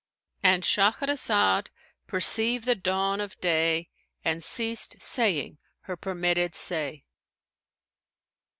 "—And Shahrazad perceived the dawn of day and ceased saying her permitted say.